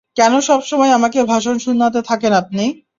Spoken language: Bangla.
কেন সবসময় আমাকে ভাষণ শুনাতে থাকেন আপনি?